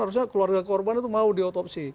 harusnya keluarga korban itu mau diotopsi